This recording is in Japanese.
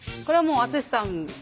これはもう篤さん